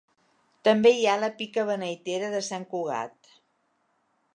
També hi ha la pica beneitera de Sant Cugat.